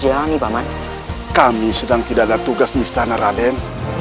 yang mana kami sedang tidak ada tugas di istana raden